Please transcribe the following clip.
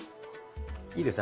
いいです。